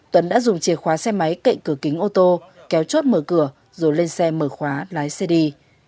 tuấn đã dùng chìa khóa xe máy cậy cửa kính ô tô kéo chốt mở cửa rồi lên xe mở khóa lái xe đi